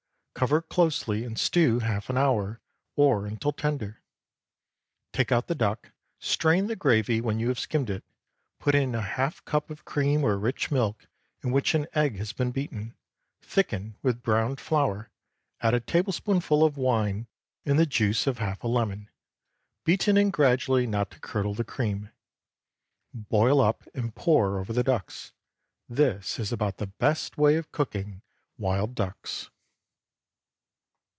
Cover closely and stew half an hour, or until tender. Take out the duck, strain the gravy when you have skimmed it; put in a half cup of cream or rich milk in which an egg has been beaten, thicken with browned flour, add a tablespoonful of wine and the juice of half a lemon, beaten in gradually not to curdle the cream; boil up and pour over the ducks. This is about the best way of cooking wild ducks.